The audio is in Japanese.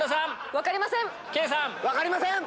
分かりません。